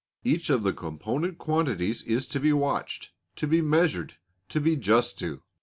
Each of the component quantities is to be watched, to be measured, to be just to.